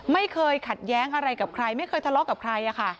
ไม่เคยขัดแย้งอะไรกับใครไม่เคยทะเลาะกับใคร